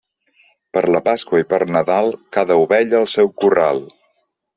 Per la Pasqual i per Nadal, cada ovella al seu corral.